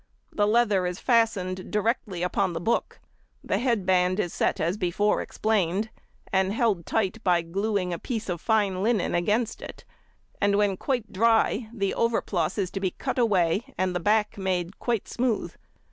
The leather is fastened directly upon the book; the head band is set as before explained, and held tight by gluing a piece of fine linen against it, and when quite dry, the overplus is to be cut away, and the back made quite smooth.